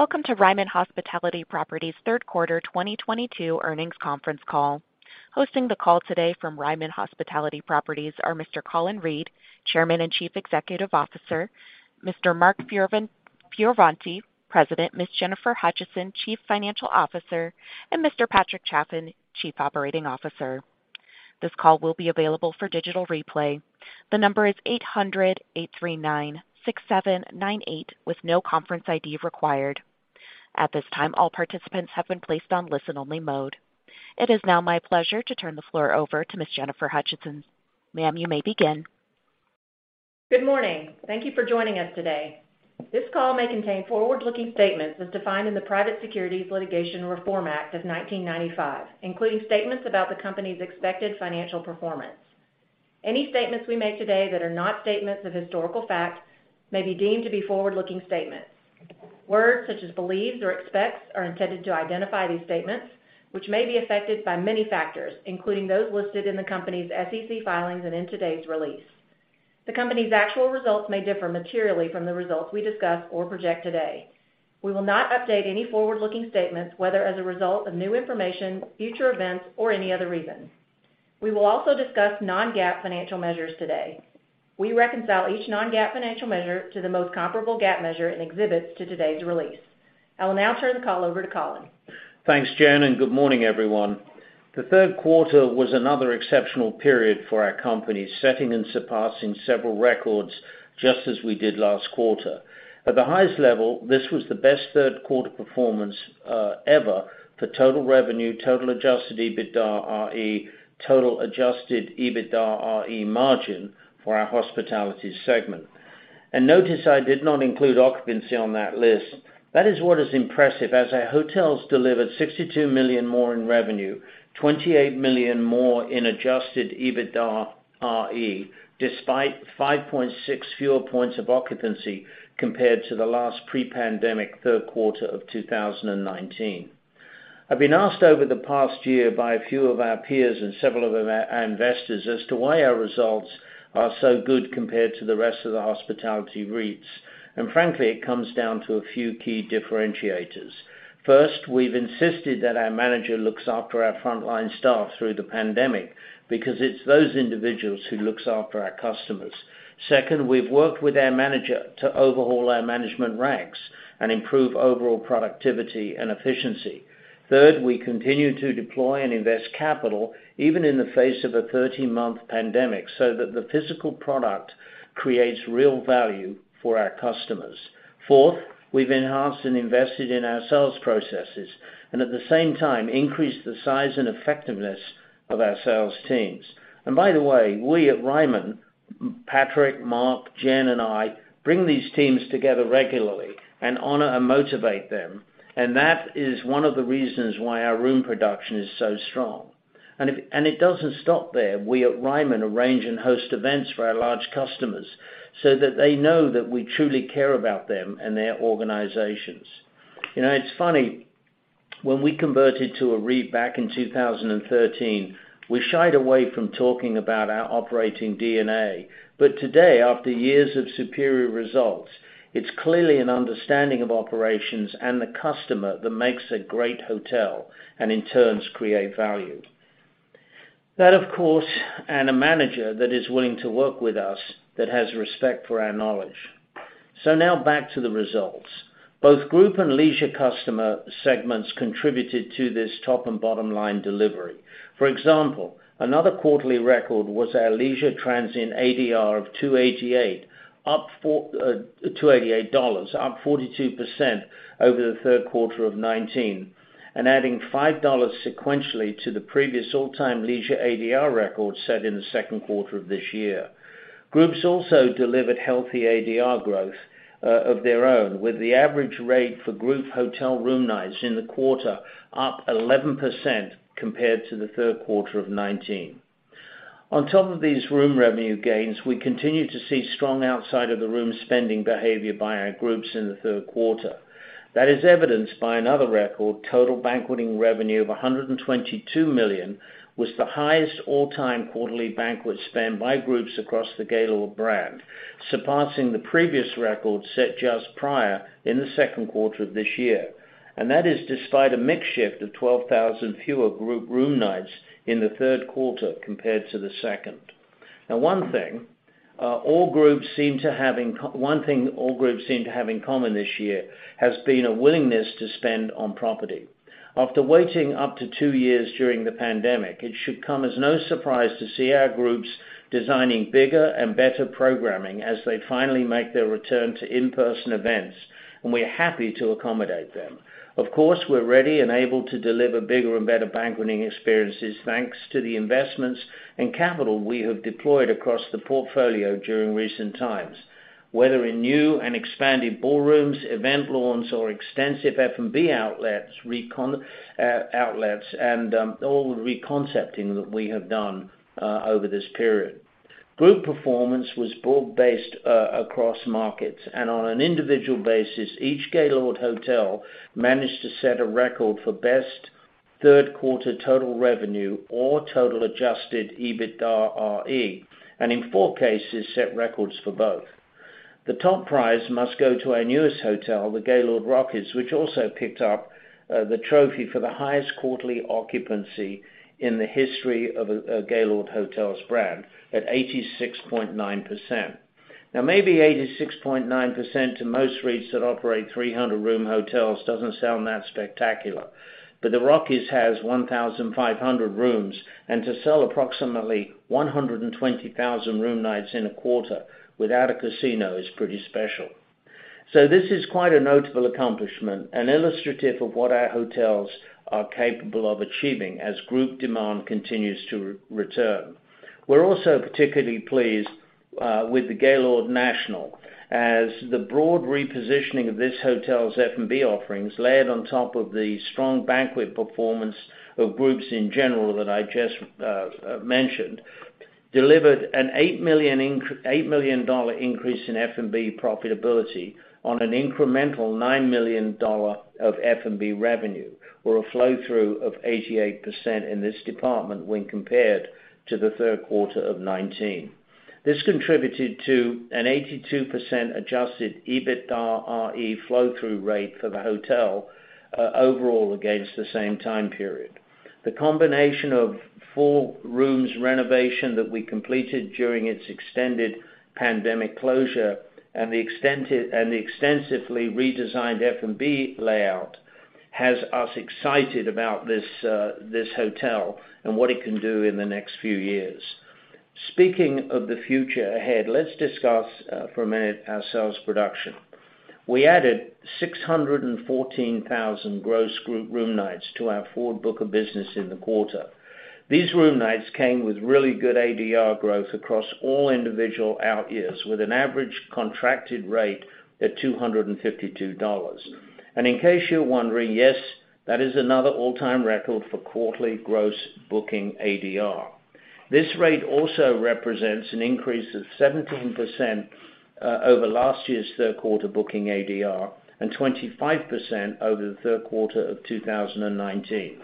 Welcome to Ryman Hospitality Properties Q3 2022 earnings conference call. Hosting the call today from Ryman Hospitality Properties are Mr. Colin Reed, Chairman and Chief Executive Officer, Mr. Mark Fioravanti, President, Ms. Jennifer Hutcheson, Chief Financial Officer, and Mr. Patrick Chaffin, Chief Operating Officer. It is now my pleasure to turn the floor over to Ms. Jennifer Hutcheson. Ma'am, you may begin. Good morning. Thank you for joining us today. This call may contain forward-looking statements as defined in the Private Securities Litigation Reform Act of 1995, including statements about the company's expected financial performance. Any statements we make today that are not statements of historical fact may be deemed to be forward-looking statements. Words such as believes or expects are intended to identify these statements, which may be affected by many factors, including those listed in the company's SEC filings and in today's release. The company's actual results may differ materially from the results we discuss or project today. We will not update any forward-looking statements, whether as a result of new information, future events, or any other reason. We will also discuss non-GAAP financial measures today. We reconcile each non-GAAP financial measure to the most comparable GAAP measure in exhibits to today's release. I will now turn the call over to Colin. Thanks, Jen, and good morning, everyone. The Q3 was another exceptional period for our company, setting and surpassing several records just as we did last quarter. At the highest level, this was the best Q3 performance ever for total revenue, total adjusted EBITDAre, total adjusted EBITDAre margin for our hospitality segment. Notice I did not include occupancy on that list. That is what is impressive as our hotels delivered $62 million more in revenue, $28 million more in adjusted EBITDAre, despite 5.6 fewer points of occupancy compared to the last pre-pandemic Q3 of 2019. I've been asked over the past year by a few of our peers and several other our investors as to why our results are so good compared to the rest of the hospitality REITs, and frankly, it comes down to a few key differentiators. 1st, we've insisted that our manager looks after our frontline staff through the pandemic because it's those individuals who looks after our customers. 2nd, we've worked with our manager to overhaul our management ranks and improve overall productivity and efficiency. 3rd, we continue to deploy and invest capital even in the face of a 13-month pandemic so that the physical product creates real value for our customers. 4th, we've enhanced and invested in our sales processes and at the same time increased the size and effectiveness of our sales teams. By the way, we at Ryman, Patrick, Mark, Jen, and I, bring these teams together regularly and honor and motivate them. That is one of the reasons why our room production is so strong. It doesn't stop there. We at Ryman arrange and host events for our large customers so that they know that we truly care about them and their organizations. You know, it's funny, when we converted to a REIT back in 2013, we shied away from talking about our operating DNA. Today, after years of superior results, it's clearly an understanding of operations and the customer that makes a great hotel and in turn creates value. That, of course, and a manager that is willing to work with us, that has respect for our knowledge. Now back to the results. Both group and leisure customer segments contributed to this top and bottom line delivery. For example, another quarterly record was our leisure transient ADR of $288, up 42% over the Q3 of 2019 and adding $5 sequentially to the previous all-time leisure ADR record set in the Q2 of this year. Groups also delivered healthy ADR growth of their own, with the average rate for group hotel room nights in the quarter up 11% compared to the Q3 of 2019. On top of these room revenue gains, we continued to see strong outside-of-the-room spending behavior by our groups in the Q3. That is evidenced by another record, total banqueting revenue of $122 million was the highest all-time quarterly banquet spend by groups across the Gaylord brand, surpassing the previous record set just prior in the Q2 of this year. That is despite a mix shift of 12,000 fewer group room nights in the Q3 compared to the 2nd. Now, one thing all groups seem to have in common this year has been a willingness to spend on property. After waiting up to two years during the pandemic, it should come as no surprise to see our groups designing bigger and better programming as they finally make their return to in-person events, and we are happy to accommodate them. Of course, we're ready and able to deliver bigger and better banqueting experiences thanks to the investments and capital we have deployed across the portfolio during recent times, whether in new and expanded ballrooms, event lawns or extensive F&B outlets, and all the reconcepting that we have done over this period. Group performance was broad-based across markets, and on an individual basis, each Gaylord hotel managed to set a record for best Q3 total revenue or total adjusted EBITDAre, and in four cases set records for both. The top prize must go to our newest hotel, the Gaylord Rockies, which also picked up the trophy for the highest quarterly occupancy in the history of the Gaylord Hotels brand at 86.9%. Now maybe 86.9% to most REITs that operate 300-room hotels doesn't sound that spectacular, but the Rockies has 1,500 rooms, and to sell approximately 120,000 room nights in a quarter without a casino is pretty special. This is quite a notable accomplishment and illustrative of what our hotels are capable of achieving as group demand continues to return. We're also particularly pleased with the Gaylord National as the broad repositioning of this hotel's F&B offerings layered on top of the strong banquet performance of groups in general that I just mentioned, delivered an $8 million dollar increase in F&B profitability on an incremental $9 million dollar of F&B revenue, or a flow through of 88% in this department when compared to the Q3 of 2019. This contributed to an 82% adjusted EBITDAre flow through rate for the hotel overall against the same time period. The combination of full rooms renovation that we completed during its extended pandemic closure and the extensively redesigned F&B layout has us excited about this hotel and what it can do in the next few years. Speaking of the future ahead, let's discuss for a minute our sales production. We added 614,000 gross group room nights to our forward book of business in the quarter. These room nights came with really good ADR growth across all individual out years with an average contracted rate at $252. In case you're wondering, yes, that is another all-time record for quarterly gross booking ADR. This rate also represents an increase of 17% over last year's Q3 booking ADR and 25% over the Q3 of 2019.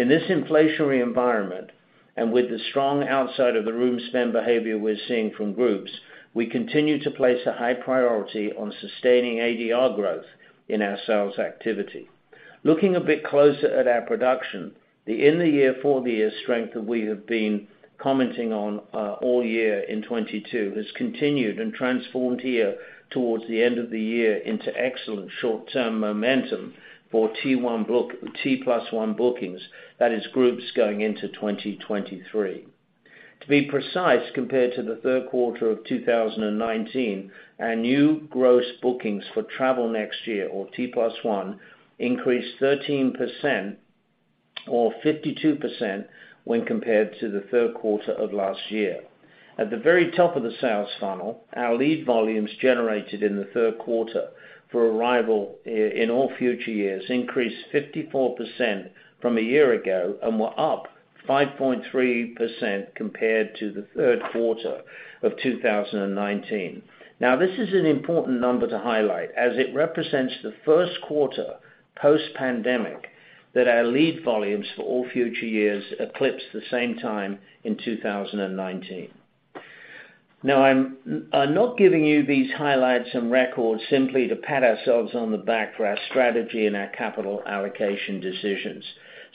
In this inflationary environment, and with the strong outside of the room spend behavior we're seeing from groups, we continue to place a high priority on sustaining ADR growth in our sales activity. Looking a bit closer at our performance, for the year strength that we have been commenting on all year in 2022 has continued and transformed here towards the end of the year into excellent short-term momentum for T plus one bookings, that is groups going into 2023. To be precise, compared to the Q3 of 2019, our new gross bookings for travel next year or T plus one increased 13% or 52% when compared to the Q3 of last year. At the very top of the sales funnel, our lead volumes generated in the Q3 for arrival in all future years increased 54% from a year ago and were up 5.3% compared to the Q3 of 2019. Now, this is an important number to highlight as it represents the Q1 post-pandemic that our lead volumes for all future years eclipsed the same time in 2019. Now, I'm not giving you these highlights and records simply to pat ourselves on the back for our strategy and our capital allocation decisions.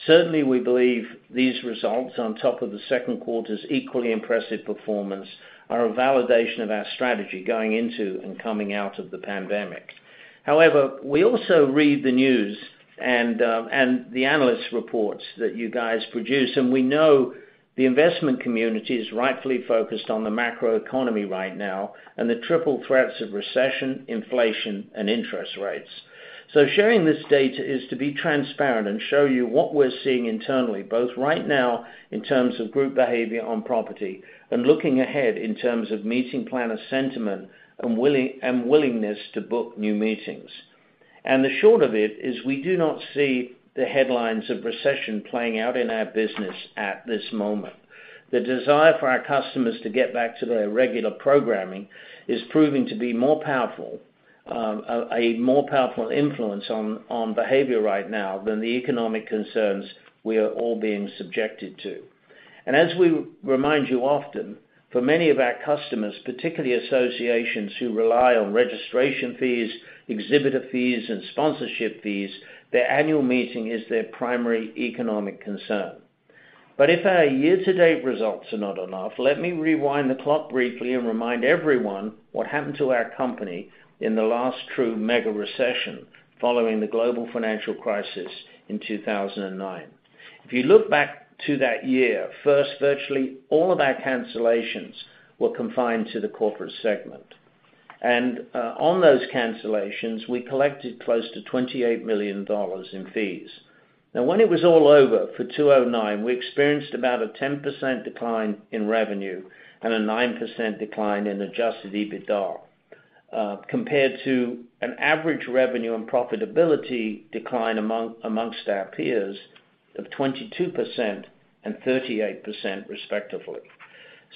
Certainly, we believe these results on top of the Q2's equally impressive performance are a validation of our strategy going into and coming out of the pandemic. However, we also read the news and the analyst reports that you guys produce, and we know the investment community is rightfully focused on the macroeconomy right now and the triple threats of recession, inflation, and interest rates. Sharing this data is to be transparent and show you what we're seeing internally, both right now in terms of group behavior on property and looking ahead in terms of meeting planner sentiment and willingness to book new meetings. The short of it is we do not see the headlines of recession playing out in our business at this moment. The desire for our customers to get back to their regular programming is proving to be a more powerful influence on behavior right now than the economic concerns we are all being subjected to. As we remind you often, for many of our customers, particularly associations who rely on registration fees, exhibitor fees, and sponsorship fees, their annual meeting is their primary economic concern. If our year to date results are not enough, let me rewind the clock briefly and remind everyone what happened to our company in the last true mega recession following the global financial crisis in 2009. If you look back to that year, 1st, virtually all of our cancellations were confined to the corporate segment. On those cancellations, we collected close to $28 million in fees. Now, when it was all over for 2009, we experienced about a 10% decline in revenue and a 9% decline in adjusted EBITDA, compared to an average revenue and profitability decline among, amongst our peers of 22% and 38% respectively.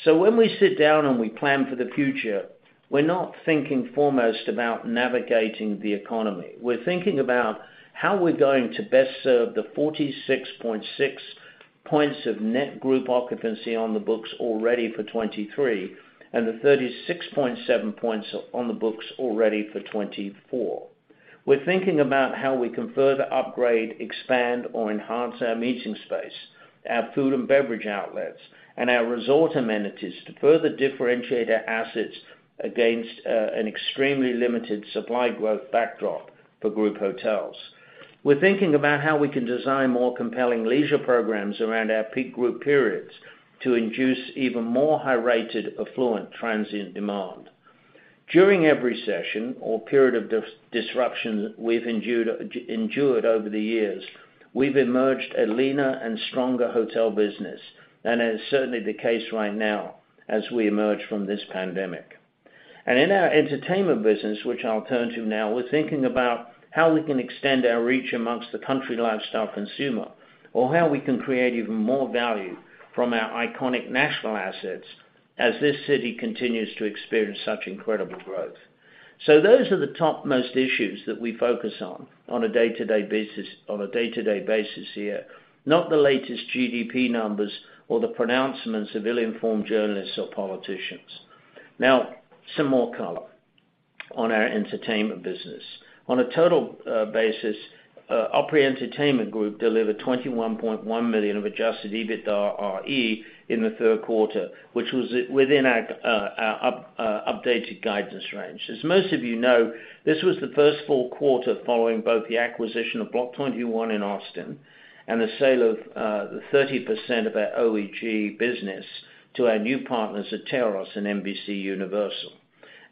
When we sit down and we plan for the future, we're not thinking foremost about navigating the economy. We're thinking about how we're going to best serve the 46.6% of net group occupancy on the books already for 2023, and the 36.7% on the books already for 2024. We're thinking about how we can further upgrade, expand, or enhance our meeting space, our food and beverage outlets, and our resort amenities to further differentiate our assets against an extremely limited supply growth backdrop for group hotels. We're thinking about how we can design more compelling leisure programs around our peak group periods to induce even more high-rated affluent transient demand. During every session or period of disruption we've endured over the years, we've emerged a leaner and stronger hotel business, and that is certainly the case right now as we emerge from this pandemic. In our entertainment business, which I'll turn to now, we're thinking about how we can extend our reach among the country lifestyle consumer or how we can create even more value from our iconic national assets as this city continues to experience such incredible growth. Those are the topmost issues that we focus on on a day-to-day basis here, not the latest GDP numbers or the pronouncements of ill-informed journalists or politicians. Now, some more color on our entertainment business. On a total basis, Opry Entertainment Group delivered $21.1 million of adjusted EBITDAre in the Q3, which was within our updated guidance range. As most of you know, this was the 1st full quarter following both the acquisition of Block 21 in Austin and the sale of the 30% of our OEG business to our new partners at Atairos and NBCUniversal.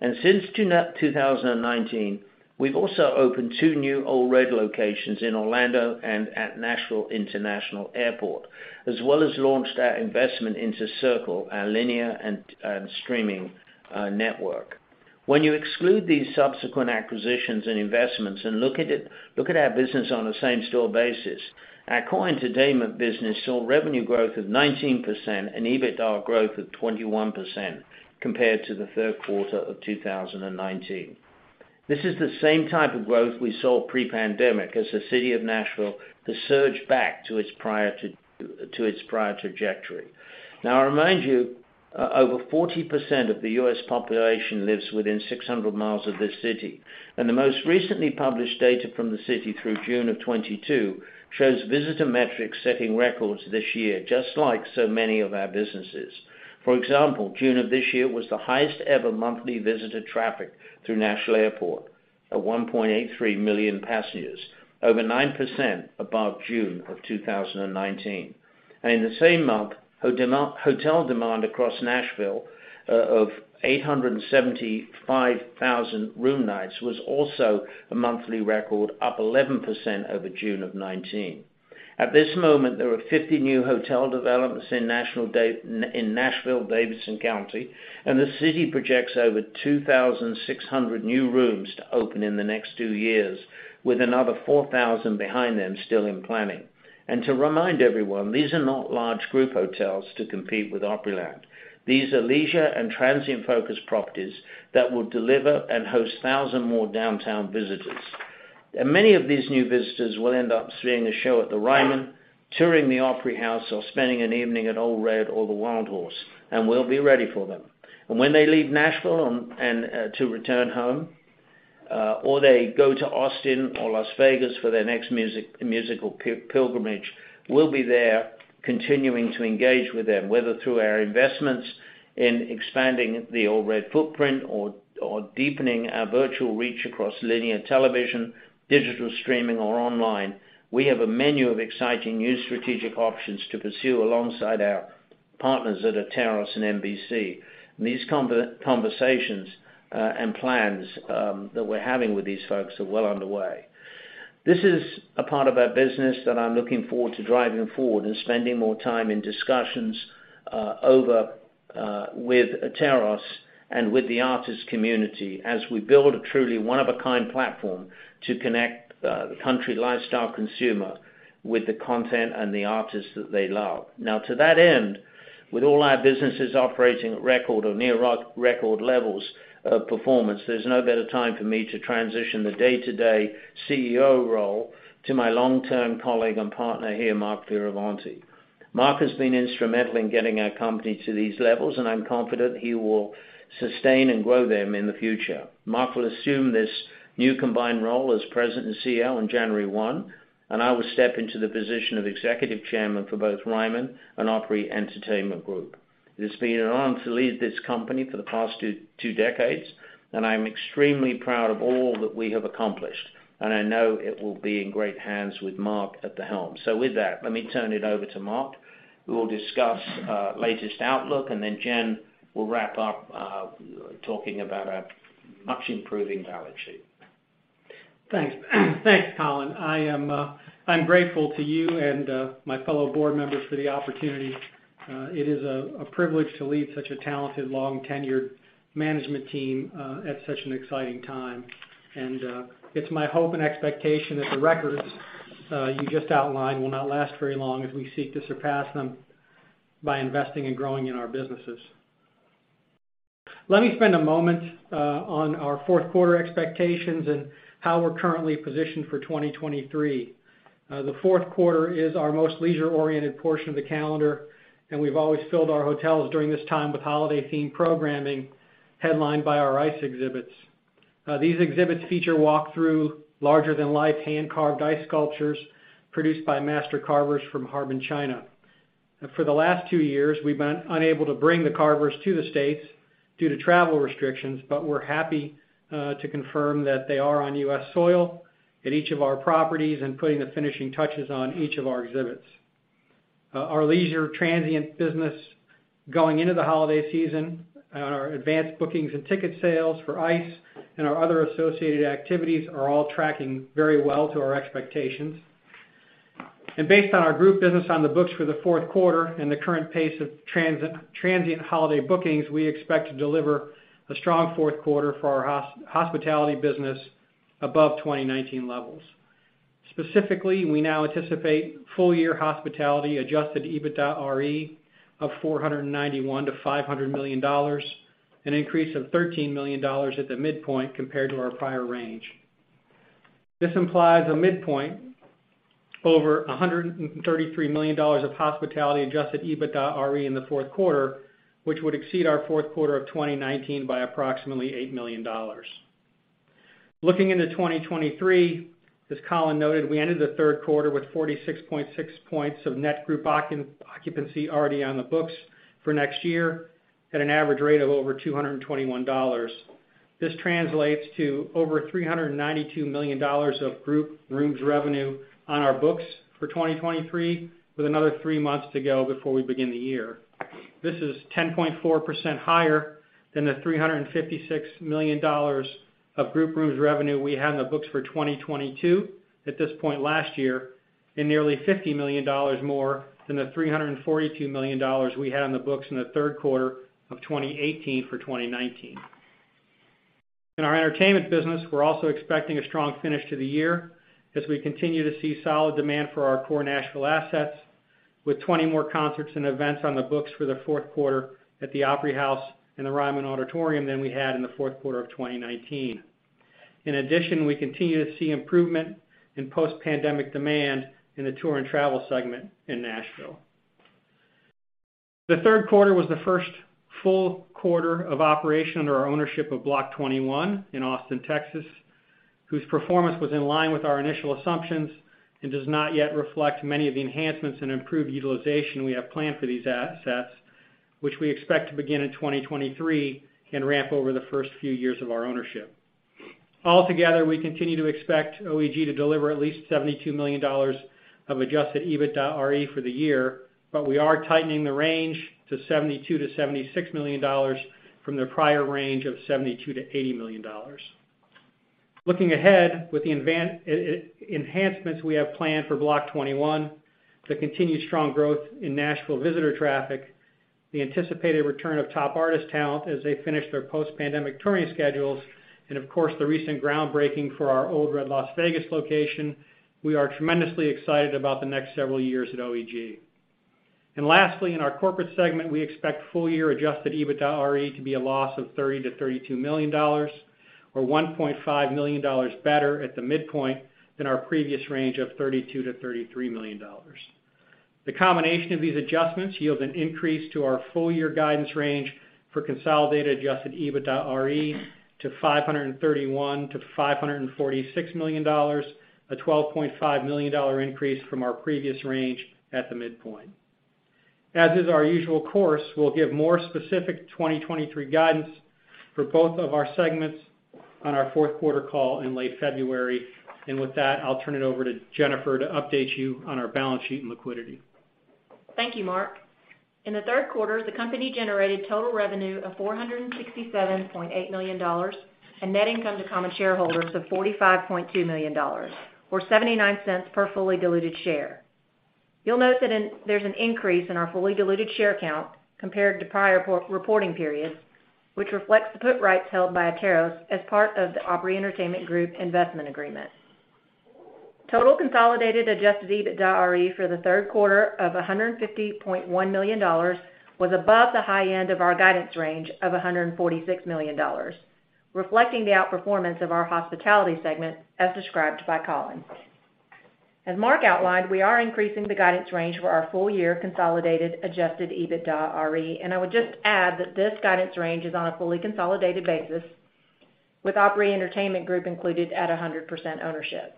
Since June 2019, we've also opened 2 new Ole Red locations in Orlando and at Nashville International Airport, as well as launched our investment into Circle, our linear and streaming network. When you exclude these subsequent acquisitions and investments and look at our business on a same-store basis, our core entertainment business saw revenue growth of 19% and EBITDA growth of 21% compared to the Q3 of 2019. This is the same type of growth we saw pre-pandemic as the city of Nashville has surged back to its prior trajectory. Now, I remind you over 40% of the U.S. population lives within 600 miles of this city, and the most recently published data from the city through June of 2022 shows visitor metrics setting records this year, just like so many of our businesses. For example, June of this year was the highest ever monthly visitor traffic through Nashville Airport at 1.83 million passengers, over 9% above June of 2019. In the same month, hotel demand across Nashville of 875,000 room nights was also a monthly record, up 11% over June of 2019. At this moment, there are 50 new hotel developments in Nashville, Davidson County, and the city projects over 2,600 new rooms to open in the next two years, with another 4,000 behind them still in planning. To remind everyone, these are not large group hotels to compete with Opryland. These are leisure and transient-focused properties that will deliver and host 1,000 more downtown visitors. Many of these new visitors will end up seeing a show at the Ryman, touring the Opry house, or spending an evening at Ole Red or the Wildhorse, and we'll be ready for them. When they leave Nashville and to return home, or they go to Austin or Las Vegas for their next musical pilgrimage, we'll be there continuing to engage with them, whether through our investments in expanding the Ole Red footprint or deepening our virtual reach across linear television, digital streaming, or online. We have a menu of exciting new strategic options to pursue alongside our partners at Atairos and NBC. These conversations and plans that we're having with these folks are well underway. This is a part of our business that I'm looking forward to driving forward and spending more time in discussions with Atairos and with the artist community as we build a truly one-of-a-kind platform to connect the country lifestyle consumer with the content and the artists that they love. Now, to that end, with all our businesses operating at record or near record levels of performance, there's no better time for me to transition the day-to-day CEO role to my long-term colleague and partner here, Mark Fioravanti. Mark has been instrumental in getting our company to these levels, and I'm confident he will sustain and grow them in the future. Mark will assume this new combined role as president and CEO on January 1, and I will step into the position of executive chairman for both Ryman and Opry Entertainment Group. It has been an honor to lead this company for the past two decades, and I'm extremely proud of all that we have accomplished. I know it will be in great hands with Mark at the helm. With that, let me turn it over to Mark Fioravanti, who will discuss latest outlook, and then Jennifer Hutcheson will wrap up, talking about our much improving balance sheet. Thanks. Thanks, Colin. I'm grateful to you and my fellow board members for the opportunity. It is a privilege to lead such a talented, long-tenured management team at such an exciting time. It's my hope and expectation that the records you just outlined will not last very long as we seek to surpass them by investing and growing in our businesses. Let me spend a moment on our Q4 expectations and how we're currently positioned for 2023. The Q4 is our most leisure-oriented portion of the calendar, and we've always filled our hotels during this time with holiday-themed programming headlined by our ice exhibits. These exhibits feature walk-through, larger-than-life hand-carved ice sculptures produced by master carvers from Harbin, China. For the last two years, we've been unable to bring the carvers to the States due to travel restrictions, but we're happy to confirm that they are on US soil at each of our properties and putting the finishing touches on each of our exhibits. Our leisure transient business going into the holiday season, our advanced bookings and ticket sales for ice and our other associated activities are all tracking very well to our expectations. Based on our group business on the books for the Q4 and the current pace of transient holiday bookings, we expect to deliver a strong Q4 for our hospitality business above 2019 levels. Specifically, we now anticipate full-year hospitality adjusted EBITDAre of $491-$500 million, an increase of $13 million at the midpoint compared to our prior range. This implies a midpoint over $133 million of hospitality adjusted EBITDAre in the Q4, which would exceed our Q4 of 2019 by approximately $8 million. Looking into 2023, as Colin noted, we ended the Q3 with 46.6 points of net group occupancy already on the books for next year at an average rate of over $221. This translates to over $392 million of group rooms revenue on our books for 2023, with another three months to go before we begin the year. This is 10.4% higher than the $356 million of group rooms revenue we had in the books for 2022 at this point last year, and nearly $50 million more than the $342 million we had on the books in the Q3 of 2018 for 2019. In our entertainment business, we're also expecting a strong finish to the year as we continue to see solid demand for our core national assets, with 20 more concerts and events on the books for the Q4 at the Opry House and the Ryman Auditorium than we had in the Q4 of 2019. In addition, we continue to see improvement in post-pandemic demand in the tour and travel segment in Nashville. The Q3 was the 1st full quarter of operation under our ownership of Block 21 in Austin, Texas, whose performance was in line with our initial assumptions and does not yet reflect many of the enhancements and improved utilization we have planned for these assets, which we expect to begin in 2023 and ramp over the 1st few years of our ownership. Altogether, we continue to expect OEG to deliver at least $72 million of adjusted EBITDAre for the year, but we are tightening the range to $72-$76 million from the prior range of $72-$80 million. Looking ahead, with the enhancements we have planned for Block 21, the continued strong growth in Nashville visitor traffic, the anticipated return of top artist talent as they finish their post-pandemic touring schedules, and of course, the recent groundbreaking for our Ole Red Las Vegas location, we are tremendously excited about the next several years at OEG. Lastly, in our corporate segment, we expect full year adjusted EBITDAre to be a loss of $30-$32 million, or $1.5 million better at the midpoint than our previous range of $32-$33 million. The combination of these adjustments yield an increase to our full year guidance range for consolidated adjusted EBITDAre to $531-$546 million, a $12.5 million increase from our previous range at the midpoint. As is our usual course, we'll give more specific 2023 guidance for both of our segments on our Q4 call in late February. With that, I'll turn it over to Jennifer to update you on our balance sheet and liquidity. Thank you, Mark. In the Q3, the company generated total revenue of $467.8 million and net income to common shareholders of $45.2 million, or $0.79 per fully diluted share. You'll note that there's an increase in our fully diluted share count compared to prior reporting periods, which reflects the put rights held by Atairos as part of the Opry Entertainment Group investment agreement. Total consolidated adjusted EBITDAre for the Q3 of $150.1 million was above the high end of our guidance range of $146 million, reflecting the outperformance of our hospitality segment as described by Colin. As Mark outlined, we are increasing the guidance range for our full year consolidated adjusted EBITDAre, and I would just add that this guidance range is on a fully consolidated basis with Opry Entertainment Group included at 100% ownership.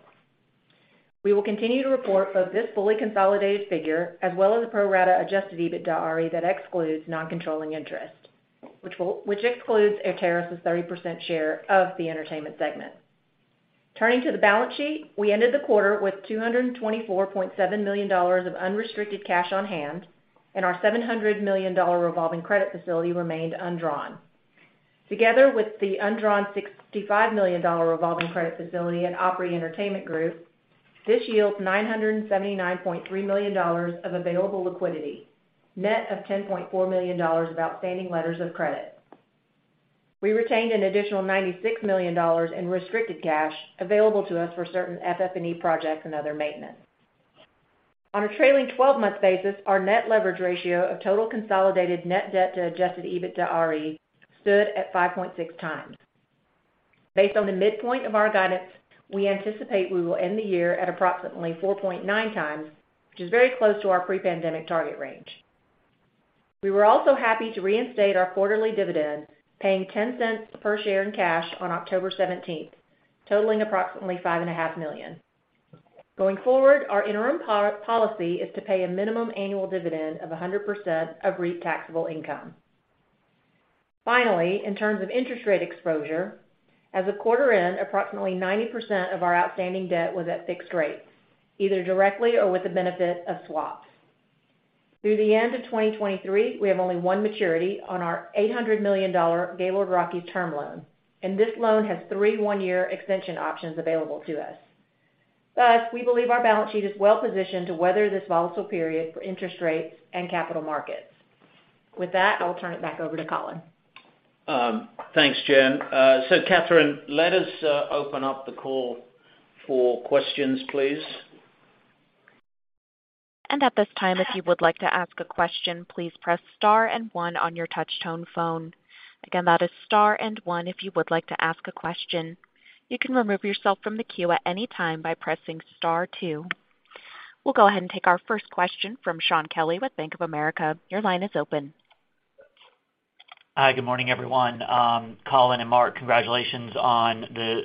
We will continue to report both this fully consolidated figure as well as the pro rata adjusted EBITDAre that excludes non-controlling interest, which excludes Atairos's 30% share of the entertainment segment. Turning to the balance sheet, we ended the quarter with $224.7 million of unrestricted cash on hand, and our $700 million revolving credit facility remained undrawn. Together with the undrawn $65 million revolving credit facility at Opry Entertainment Group, this yields $979.3 million of available liquidity, net of $10.4 million of outstanding letters of credit. We retained an additional $96 million in restricted cash available to us for certain FF&E projects and other maintenance. On a trailing twelve-month basis, our net leverage ratio of total consolidated net debt to adjusted EBITDAR stood at 5.6x. Based on the midpoint of our guidance, we anticipate we will end the year at approximately 4.9x, which is very close to our pre-pandemic target range. We were also happy to reinstate our quarterly dividend, paying $0.10 per share in cash on October seventeenth, totaling approximately $5.5 million. Going forward, our interim policy is to pay a minimum annual dividend of 100% of REIT taxable income. Finally, in terms of interest rate exposure, as of quarter end, approximately 90% of our outstanding debt was at fixed rates, either directly or with the benefit of swaps. Through the end of 2023, we have only one maturity on our $800 million Gaylord Rockies term loan, and this loan has three one-year extension options available to us. Thus, we believe our balance sheet is well positioned to weather this volatile period for interest rates and capital markets. With that, I'll turn it back over to Colin. Thanks, Jen. Catherine, let us open up the call for questions, please. We'll go ahead and take our 1st question from Shaun Kelley with Bank of America. Your line is open. Hi, good morning, everyone. Colin and Mark, congratulations on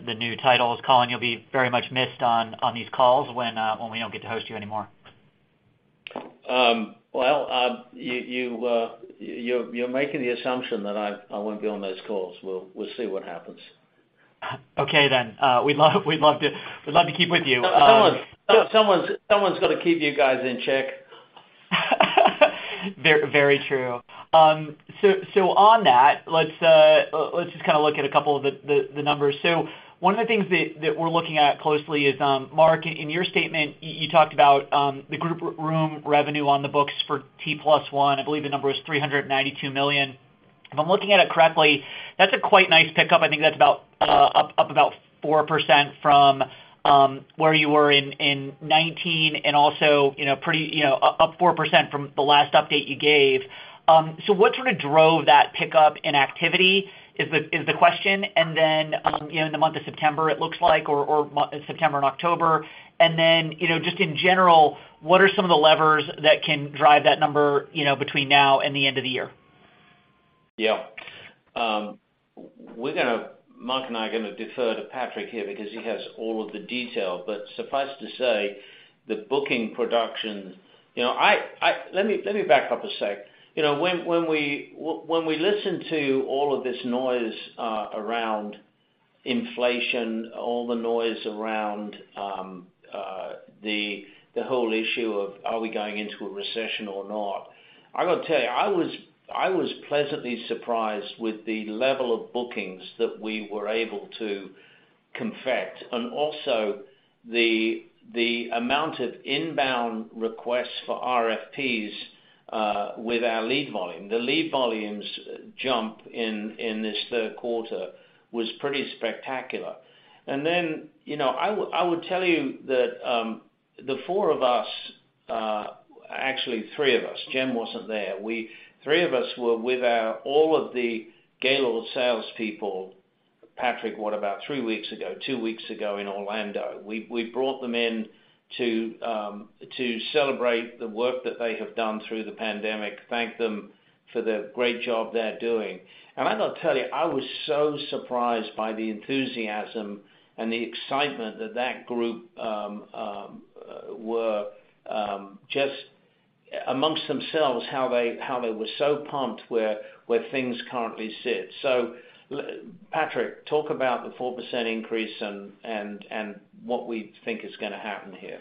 the new titles. Colin, you'll be very much missed on these calls when we don't get to host you anymore. Well, you're making the assumption that I won't be on those calls. We'll see what happens. Okay, we'd love to keep with you. Someone's gotta keep you guys in check. Very true. On that, let's just kind a look at a couple of the numbers. One of the things that we're looking at closely is, Mark, in your statement, you talked about the group room revenue on the books for T plus one. I believe the number was $392 million. If I'm looking at it correctly, that's a quite nice pickup. I think that's about up about 4% from where you were in 2019 and also, you know, pretty, you know, up 4% from the last update you gave. What sort of drove that pickup in activity is the questions. Then, you know, in the month of September, it looks like September and October, and then, you know, just in general, what are some of the levers that can drive that number, you know, between now and the end of the year? Yeah. Mark and I are gonna defer to Patrick here because he has all of the detail. Suffice to say, the booking production. You know, let me back up a sec. You know, when we listen to all of this noise around inflation, all the noise around the whole issue of are we going into a recession or not, I've got to tell you, I was pleasantly surprised with the level of bookings that we were able to convert, and also the amount of inbound requests for RFPs with our lead volume. The lead volumes jump in this Q3 was pretty spectacular. You know, I would tell you that the four of us, actually three of us, Jen wasn't there. Three of us were with all of the Gaylord salespeople, Patrick, what about three weeks ago? Two weeks ago in Orlando. We brought them in to celebrate the work that they have done through the pandemic, thank them for the great job they're doing. I got to tell you, I was so surprised by the enthusiasm and the excitement that group were just amongst themselves, how they were so pumped where things currently sit. Patrick, talk about the 4% increase and what we think is gonna happen here?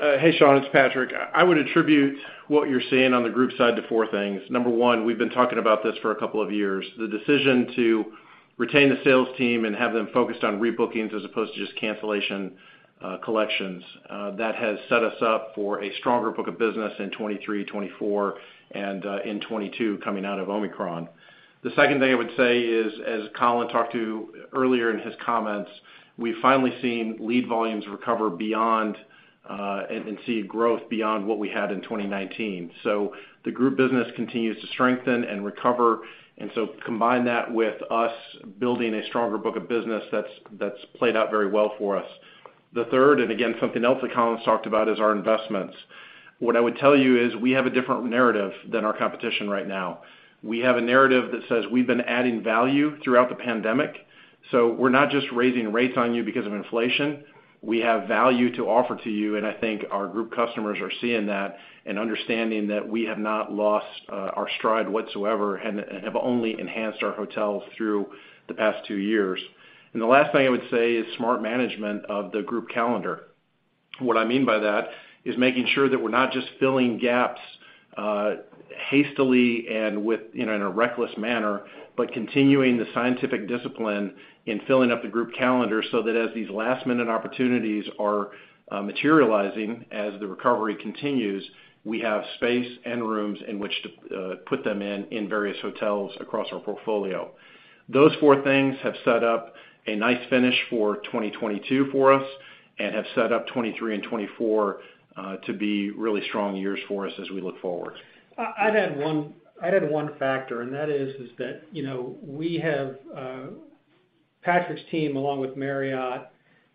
Hey, Sean, it's Patrick. I would attribute what you're seeing on the group side to four things. Number one, we've been talking about this for a couple of years. The decision to retain the sales team and have them focused on rebookings as opposed to just cancellation, collections, that has set us up for a stronger book of business in 2023, 2024 and in 2022 coming out of Omicron. The 2nd thing I would say is, as Colin talked about earlier in his comments, we've finally seen lead volumes recover beyond and see growth beyond what we had in 2019. So the group business continues to strengthen and recover. Combine that with us building a stronger book of business, that's played out very well for us. The 3rd, and again, something else that Colin's talked about is our investments. What I would tell you is we have a different narrative than our competition right now. We have a narrative that says we've been adding value throughout the pandemic. We're not just raising rates on you because of inflation. We have value to offer to you, and I think our group customers are seeing that and understanding that we have not lost our stride whatsoever and have only enhanced our hotels through the past two years. The last thing I would say is smart management of the group calendar. What I mean by that is making sure that we're not just filling gaps, hastily and with, you know, in a reckless manner, but continuing the scientific discipline in filling up the group calendar so that as these last-minute opportunities are materializing, as the recovery continues, we have space and rooms in which to put them in various hotels across our portfolio. Those four things have set up a nice finish for 2022 for us and have set up 2023 and 2024 to be really strong years for us as we look forward. I'd add one factor, and that is that, you know, we have Patrick's team, along with Marriott,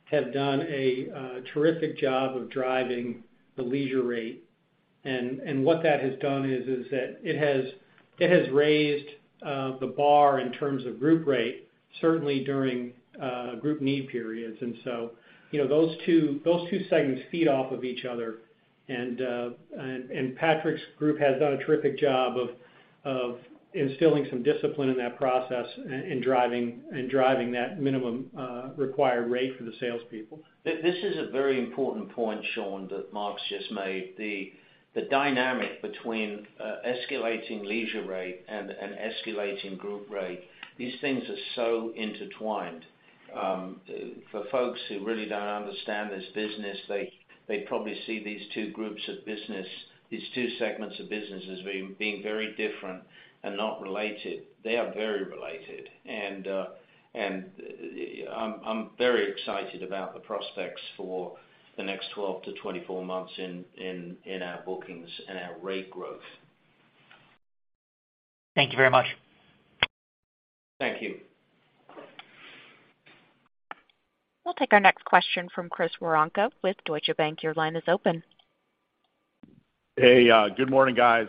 have done a terrific job of driving the leisure rate. What that has done is that it has raised the bar in terms of group rate, certainly during group need periods. You know, those two segments feed off of each other. Patrick's group has done a terrific job of instilling some discipline in that process and driving that minimum required rate for the salespeople. This is a very important point, Shaun, that Mark's just made. The dynamic between escalating leisure rate and escalating group rate, these things are so intertwined. For folks who really don't understand this business, they probably see these two groups of business, these two segments of business as being very different and not related. They are very related. I'm very excited about the prospects for the next 12-24 months in our bookings and our rate growth. Thank you very much. Thank you. We'll take our next question from Chris Woronka with Deutsche Bank. Your line is open. Hey, good morning, guys.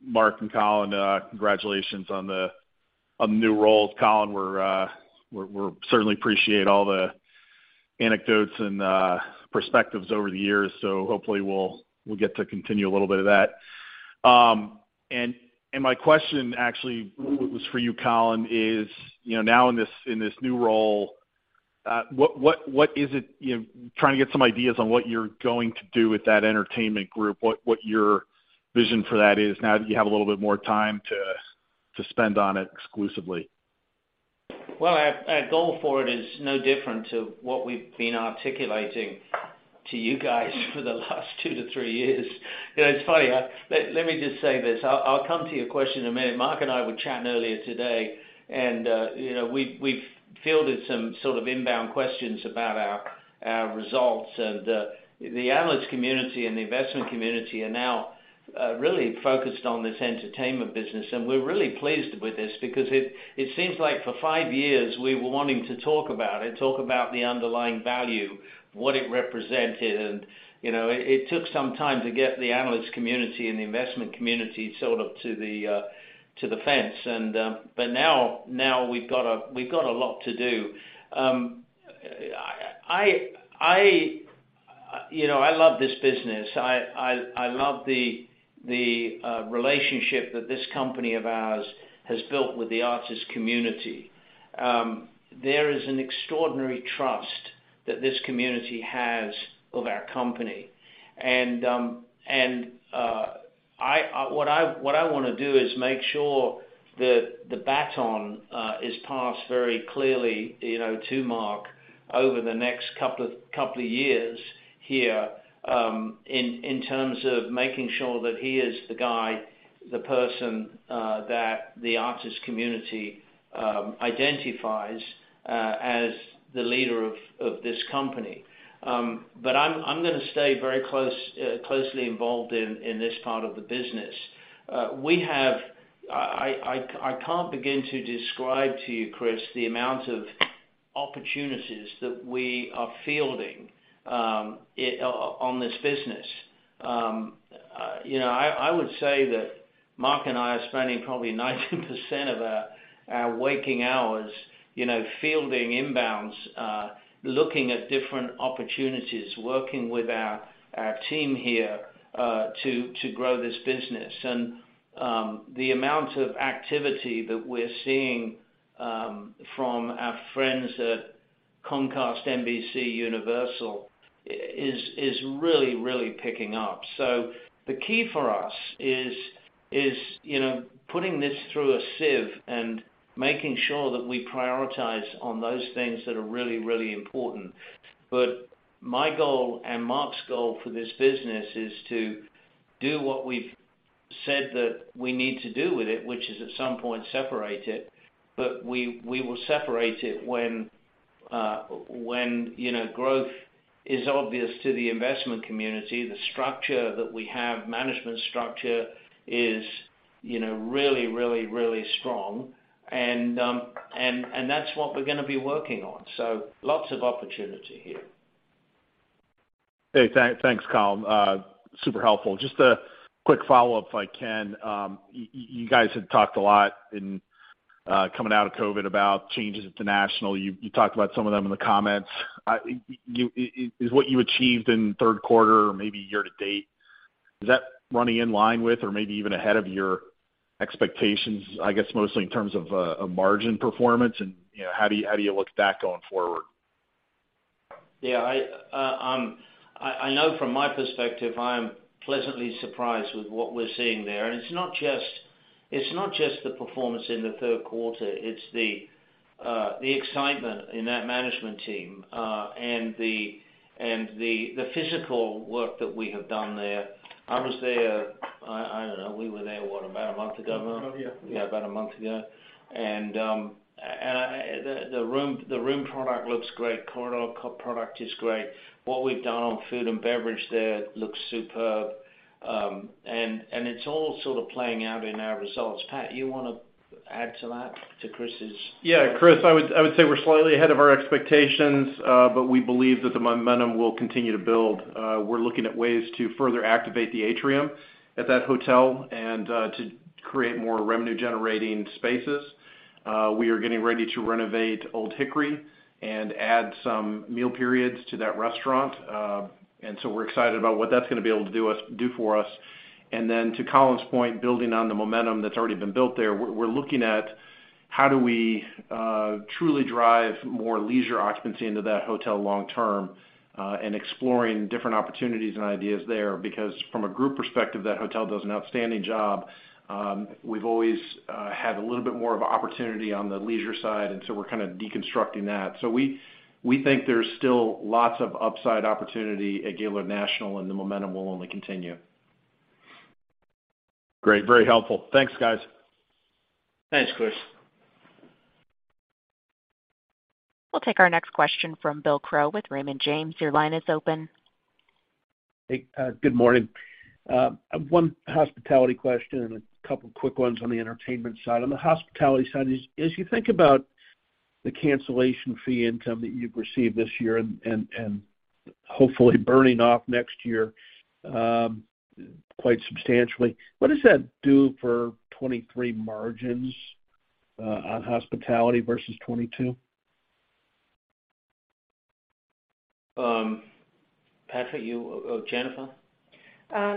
Mark and Colin, congratulations on the new roles. Colin, we certainly appreciate all the anecdotes and perspectives over the years, so hopefully we'll get to continue a little bit of that. My question actually was for you, Colin, is you know now in this new role what is it you know trying to get some ideas on what you're going to do with that entertainment group, what your vision for that is now that you have a little bit more time to spend on it exclusively? Well, our goal for it is no different to what we've been articulating to you guys for the last 2-3 years. You know, it's funny. Let me just say this. I'll come to your question in a minute. Mark and I were chatting earlier today, and you know, we've fielded some sort of inbound questions about our results. The analyst community and the investment community are now really focused on this entertainment business. We're really pleased with this because it seems like for five years, we were wanting to talk about it, talk about the underlying value, what it represented. You know, it took some time to get the analyst community and the investment community sort of to the fence. We've got a lot to do. You know, I love this business. I love the relationship that this company of ours has built with the artists' community. There is an extraordinary trust that this community has of our company. What I wanna do is make sure that the baton is passed very clearly, you know, to Mark over the next couple of years here, in terms of making sure that he is the guy, the person, that the artists' community identifies as the leader of this company. I'm gonna stay very closely involved in this part of the business. We have... I can't begin to describe to you, Chris, the amount of opportunities that we are fielding on this business. You know, I would say that Mark and I are spending probably 90% of our waking hours, you know, fielding inbounds, looking at different opportunities, working with our team here to grow this business. The amount of activity that we're seeing from our friends at Comcast NBCUniversal is really, really picking up. The key for us is, you know, putting this through a sieve and making sure that we prioritize on those things that are really, really important. My goal and Mark's goal for this business is to do what we've said that we need to do with it, which is at some point separate it, but we will separate it when you know growth is obvious to the investment community. The structure that we have, management structure is you know really strong. And that's what we're gonna be working on. Lots of opportunity here. Hey, thanks, Colin. Super helpful. Just a quick follow-up if I can. You guys had talked a lot coming out of COVID about changes at the National. You talked about some of them in the comments. Is what you achieved in Q3 or maybe year to date running in line with or maybe even ahead of your expectations, I guess mostly in terms of a margin performance? You know, how do you look at that going forward? Yeah, I know from my perspective, I'm pleasantly surprised with what we're seeing there. It's not just the performance in the Q3, it's the excitement in that management team and the physical work that we have done there. I was there, I don't know, we were there, what, about a month ago? Yeah. About a month ago. The room product looks great. Corridor product is great. What we've done on food and beverage there looks superb. It's all sort of playing out in our results. Pat, you wanna add to that, to Chris's? Yeah. Chris, I would say we're slightly ahead of our expectations, but we believe that the momentum will continue to build. We're looking at ways to further activate the atrium at that hotel and to create more revenue generating spaces. We are getting ready to renovate Old Hickory and add some meal periods to that restaurant. We're excited about what that's gonna be able to do for us. To Colin's point, building on the momentum that's already been built there, we're looking at how do we truly drive more leisure occupancy into that hotel long term, and exploring different opportunities and ideas there. Because from a group perspective, that hotel does an outstanding job. We've always had a little bit more of opportunity on the leisure side, and so we're kind a deconstructing that. We think there's still lots of upside opportunity at Gaylord National, and the momentum will only continue. Great. Very helpful. Thanks, guys. Thanks, Chris. We'll take our next question from Bill Crow with Raymond James. Your line is open. Hey, good morning. One hospitality question and a couple quick ones on the entertainment side. On the hospitality side is, as you think about the cancellation fee income that you've received this year and hopefully burning off next year, quite substantially, what does that do for 2023 margins on hospitality versus 2022? Patrick, you or Jennifer?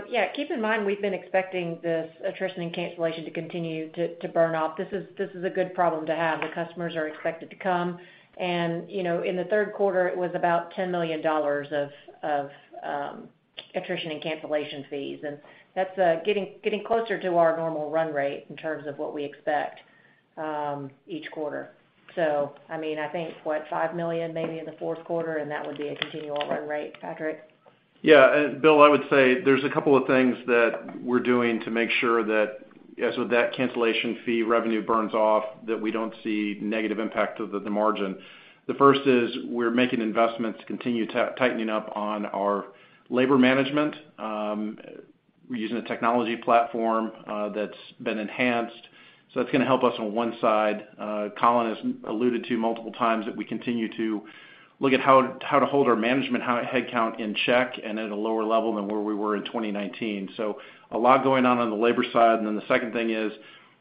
Yeah, keep in mind, we've been expecting this attrition and cancellation to continue to burn off. This is a good problem to have. The customers are expected to come and, you know, in the Q3, it was about $10 million of attrition and cancellation fees. That's getting closer to our normal run rate in terms of what we expect each quarter. I mean, I think, what, $5 million maybe in the Q4, and that would be a continual run rate, Patrick. Yeah. Bill, I would say there's a couple of things that we're doing to make sure that as with that cancellation fee revenue burns off, that we don't see negative impact to the margin. The 1st is we're making investments to continue tightening up on our labor management, using a technology platform, that's been enhanced, so that's gonna help us on one side. Colin has alluded to multiple times that we continue to look at how to hold our management head count in check and at a lower level than where we were in 2019. A lot going on on the labor side. Then the 2nd thing is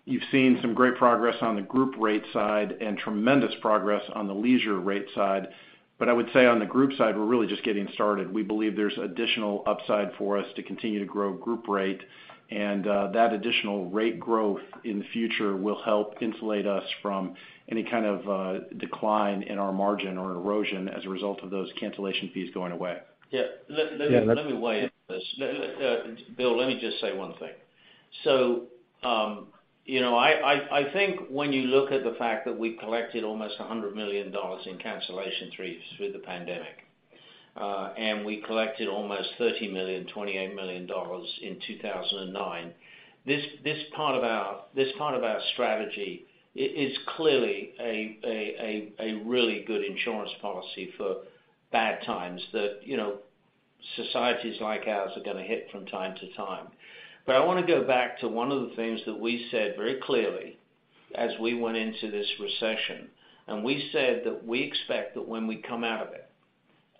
you've seen some great progress on the group rate side and tremendous progress on the leisure rate side. I would say on the group side, we're really just getting started. We believe there's additional upside for us to continue to grow group rate. That additional rate growth in the future will help insulate us from any kind of decline in our margin or erosion as a result of those cancellation fees going away. Yeah. Let me weigh in on this. Bill, let me just say one thing. You know, I think when you look at the fact that we collected almost $100 million in cancellation fees through the pandemic, and we collected almost $30 million, $28 million in 2009, this part of our strategy is clearly a really good insurance policy for bad times that, you know, societies like ours are gonna hit from time to time. I wanna go back to one of the things that we said very clearly as we went into this recession, and we said that we expect that when we come out of it,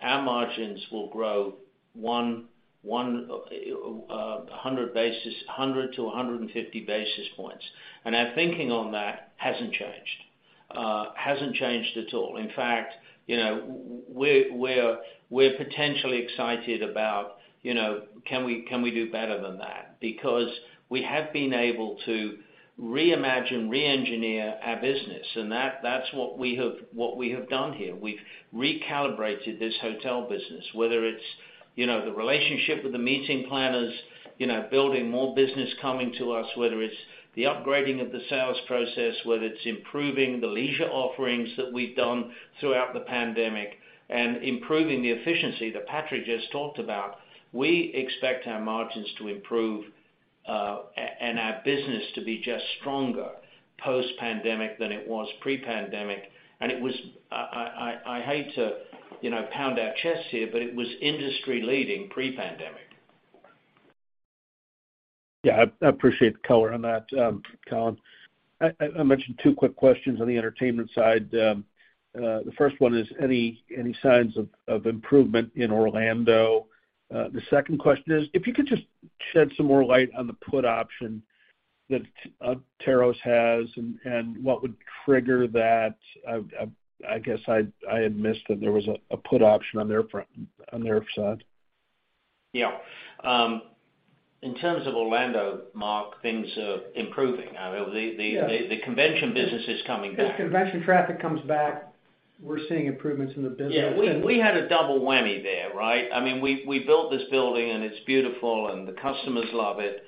our margins will grow 100-150 basis points. Our thinking on that hasn't changed at all. In fact, you know, we're potentially excited about, you know, can we do better than that? Because we have been able to reimagine, reengineer our business, and that's what we have done here. We've recalibrated this hotel business, whether it's, you know, the relationship with the meeting planners, you know, building more business coming to us, whether it's the upgrading of the sales process, whether it's improving the leisure offerings that we've done throughout the pandemic, and improving the efficiency that Patrick just talked about. We expect our margins to improve, and our business to be just stronger post pandemic than it was pre-pandemic. It was... I hate to, you know, pound our chests here, but it was industry leading pre-pandemic. Yeah, I appreciate the color on that, Colin. I mentioned two quick questions on the entertainment side. The 1st one is any signs of improvement in Orlando? The 2nd question is if you could just shed some more light on the put option that Atairos has and what would trigger that. I guess I had missed that there was a put option on their side. Yeah. In terms of Orlando, Mark, things are improving. I know the- Yeah The convention business is coming back. As convention traffic comes back, we're seeing improvements in the business. Yeah, we had a double whammy there, right? I mean, we built this building and it's beautiful and the customers love it.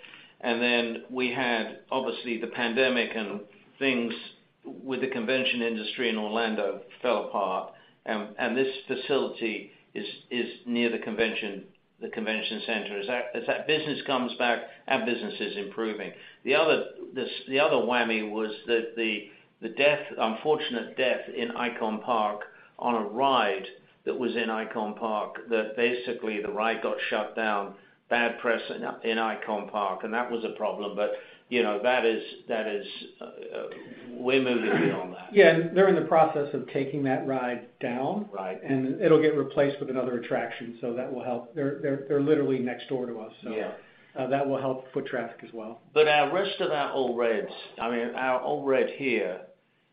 We had obviously the pandemic and things with the convention industry in Orlando fell apart. This facility is near the convention center. As that business comes back, our business is improving. The other whammy was that the unfortunate death in ICON Park on a ride that was in ICON Park, that basically the ride got shut down, bad press in ICON Park, and that was a problem. You know, that is, we're moving beyond that. Yeah. They're in the process of taking that ride down. Right. It'll get replaced with another attraction, so that will help. They're literally next door to us, so- Yeah that will help foot traffic as well. Our rest of our Ole Reds, I mean, our Ole Red here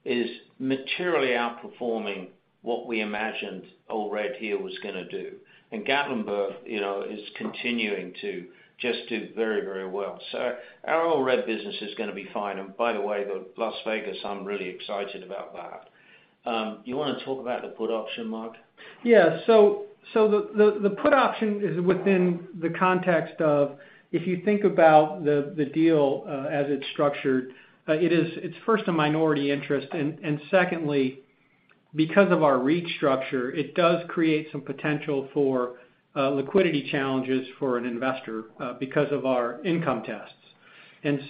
is materially outperforming what we imagined Ole Red here was gonna do. Gatlinburg, you know, is continuing to just do very, very well. Our Ole Red business is gonna be fine. By the way, the Las Vegas, I'm really excited about that. You wanna talk about the put option, Mark? Yeah. So the put option is within the context of, if you think about the deal as it's structured, it's 1st a minority interest, and 2ndly, because of our REIT structure, it does create some potential for liquidity challenges for an investor because of our income tests.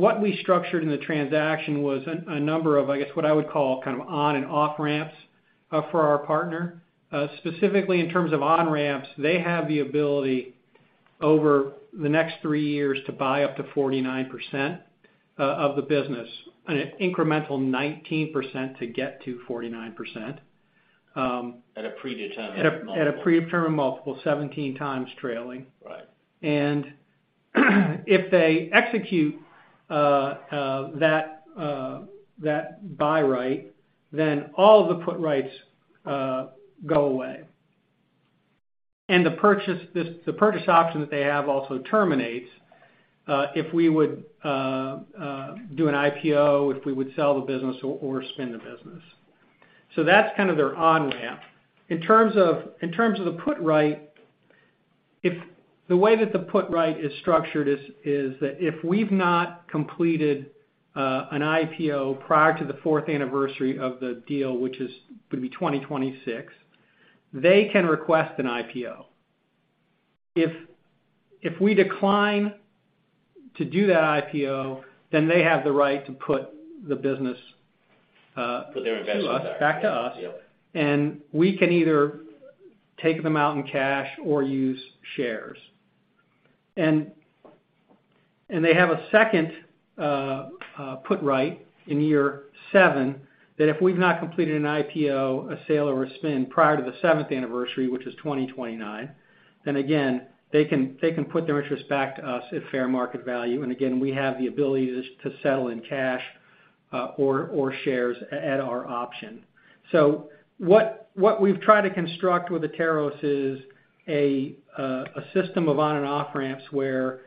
What we structured in the transaction was a number of, I guess, what I would call kind of on and off ramps for our partner. Specifically in terms of on-ramps, they have the ability over the next three years to buy up to 49% of the business, an incremental 19% to get to 49%. At a predetermined multiple. at a predetermined multiple, 17x trailing. Right. If they execute that buy right, then all the put rights go away. The purchase option that they have also terminates if we would do an IPO, if we would sell the business or spin the business. That's kind of their on-ramp. In terms of the put right, if the way that the put right is structured is that if we've not completed an IPO prior to the 4th anniversary of the deal, which is gonna be 2026, they can request an IPO. If we decline to do that IPO, then they have the right to put the business. Put their investments back. back to us. Yep. We can either take them out in cash or use shares. They have a 2nd put right in year seven, that if we've not completed an IPO, a sale, or a spin prior to the seventh anniversary, which is 2029, then again, they can put their interest back to us at fair market value. Again, we have the ability to just to settle in cash, or shares at our option. What we've tried to construct with Atairos is a system of on and off ramps where,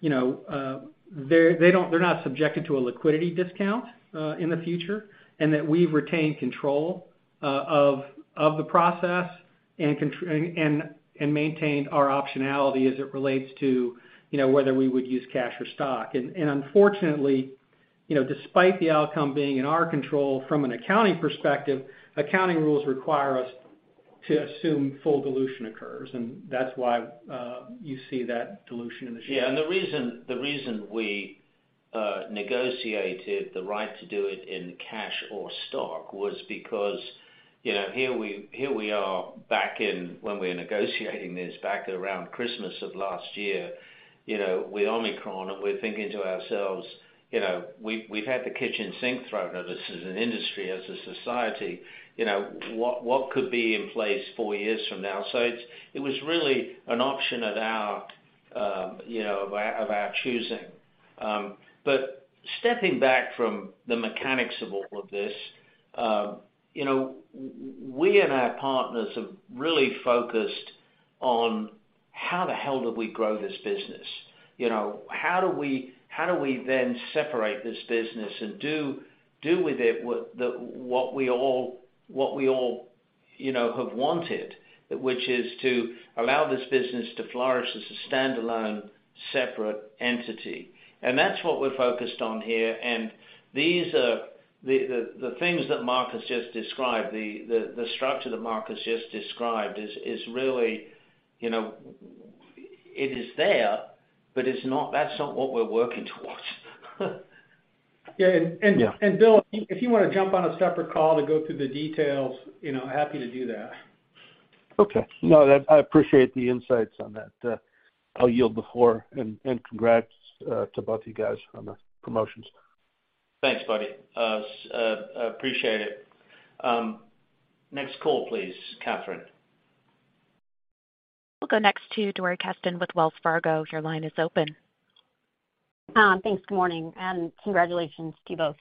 you know, they're not subjected to a liquidity discount in the future, and that we've retained control of the process and maintained our optionality as it relates to, you know, whether we would use cash or stock. Unfortunately, you know, despite the outcome being in our control from an accounting perspective, accounting rules require us to assume full dilution occurs, and that's why you see that dilution in the share. Yeah. The reason we negotiated the right to do it in cash or stock was because, you know, here we are back in when we're negotiating this back around Christmas of last year. You know, with Omicron, and we're thinking to ourselves, you know, we've had the kitchen sink thrown at us as an industry, as a society. You know, what could be in place four years from now? It was really an option of our choosing. Stepping back from the mechanics of all of this, you know, we and our partners have really focused on how the hell do we grow this business? You know, how do we then separate this business and do with it what we all, you know, have wanted, which is to allow this business to flourish as a standalone, separate entity. That's what we're focused on here. These are the things that Mark has just described, the structure that Mark has just described is really, you know. It is there, but that's not what we're working towards. Yeah. Yeah. Bill, if you wanna jump on a separate call to go through the details, you know, happy to do that. I appreciate the insights on that. I'll yield the floor, and congrats to both you guys on the promotions. Thanks, buddy. Appreciate it. Next call, please, Catherine. We'll go next to Dori Kesten with Wells Fargo. Your line is open. Thanks. Good morning, and congratulations to you both.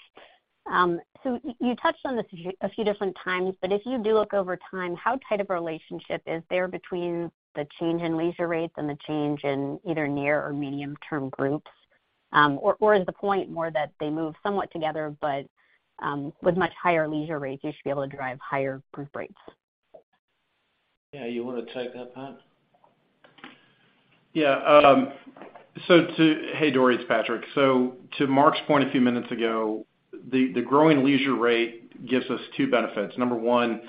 So you touched on this a few different times, but if you do look over time, how tight of a relationship is there between the change in leisure rates, and the change in either near or medium-term groups? Or is the point more that they move somewhat together but with much higher leisure rates, you should be able to drive higher group rates? Yeah. You wanna take that, Pat? Yeah. Hey, Dori, it's Patrick. To Mark's point a few minutes ago, the growing leisure rate gives us two benefits. Number one,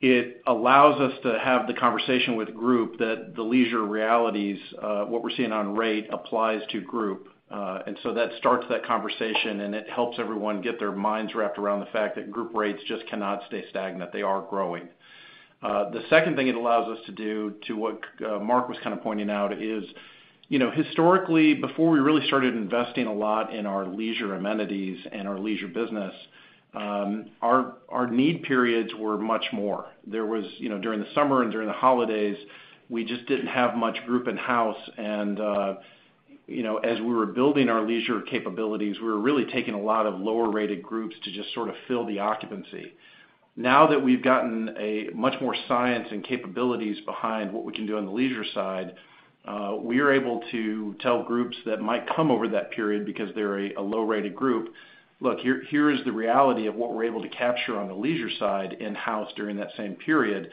it allows us to have the conversation with group that the leisure realities, what we're seeing on rate applies to group. That starts that conversation, and it helps everyone get their minds wrapped around the fact that group rates just cannot stay stagnant. They are growing. The 2nd thing it allows us to do to what Mark was kind of pointing out is, you know, historically, before we really started investing a lot in our leisure amenities and our leisure business, our need periods were much more. There was, you know, during the summer and during the holidays, we just didn't have much group in house and, you know, as we were building our leisure capabilities, we were really taking a lot of lower rated groups to just sort of fill the occupancy. Now that we've gotten a much more science and capabilities behind what we can do on the leisure side, we are able to tell groups that might come over that period because they're a low rated group. Look, here is the reality of what we're able to capture on the leisure side in house during that same period.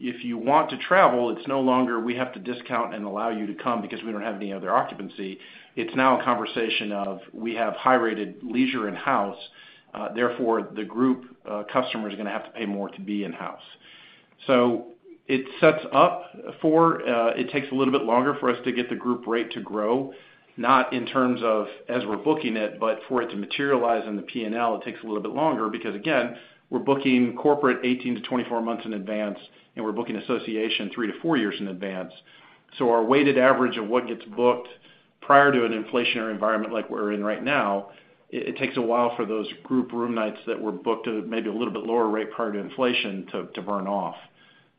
If you want to travel, it's no longer we have to discount and allow you to come because we don't have any other occupancy. It's now a conversation of we have high rated leisure in house. Therefore, the group customers are gonna have to pay more to be in house. It sets up for it takes a little bit longer for us to get the group rate to grow, not in terms of as we're booking it, but for it to materialize in the P&L. It takes a little bit longer because, again, we're booking corporate 18-24 months in advance, and we're booking association 3-4 years in advance. Our weighted average of what gets booked prior to an inflationary environment like we're in right now, it takes a while for those group room nights that were booked at maybe a little bit lower rate prior to inflation to burn off.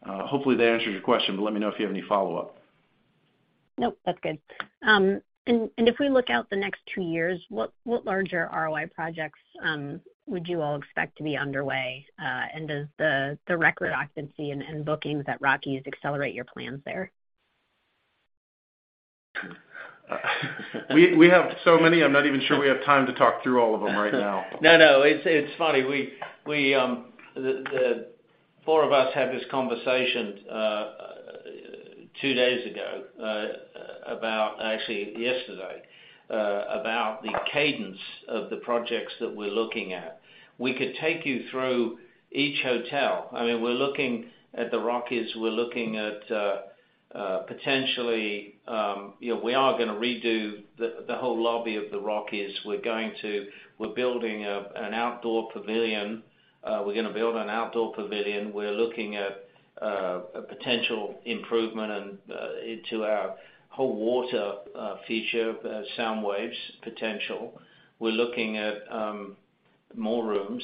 Hopefully, that answers your question, but let me know if you have any follow-up. Nope. That's good. If we look out the next two years, what larger ROI projects would you all expect to be underway, and does the record occupancy and bookings at Rockies accelerate your plans there? We have so many, I'm not even sure we have time to talk through all of them right now. No. It's funny. We, the four of us had this conversation two days ago. Actually, yesterday about the cadence of the projects that we're looking at. We could take you through each hotel. I mean, we're looking at the Rockies. We're looking at potentially you know we are gonna redo the whole lobby of the Rockies. We're building an outdoor pavilion. We're looking at a potential improvement and into our whole water feature SoundWaves potential. We're looking at more rooms.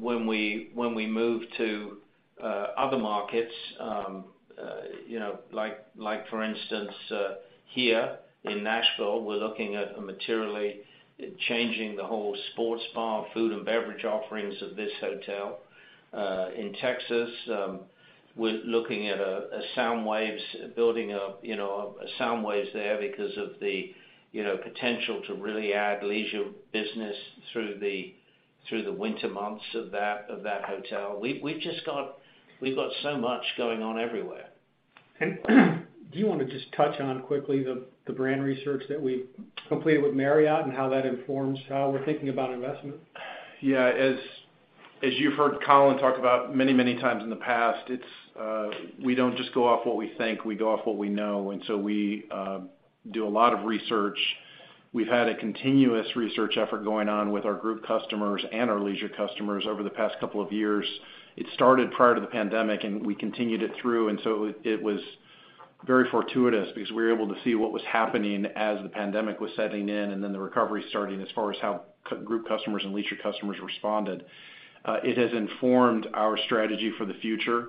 When we move to other markets you know like for instance here in Nashville, we're looking at materially changing the whole sports bar, food, and beverage offerings of this hotel. In Texas, we're looking at a SoundWaves, building a SoundWaves there, you know, because of the potential to really add leisure business through the winter months of that hotel, you know. We've just got so much going on everywhere. Do you wanna just touch on quickly the brand research that we completed with Marriott and how that informs how we're thinking about investment? Yeah. As you've heard Colin talk about many, many times in the past, it's we don't just go off what we think. We go off what we know. We do a lot of research. We've had a continuous research effort going on with our group customers and our leisure customers over the past couple of years. It started prior to the pandemic, and we continued it through. It was very fortuitous because we were able to see what was happening as the pandemic was setting in and then the recovery starting as far as how group customers and leisure customers responded. It has informed our strategy for the future.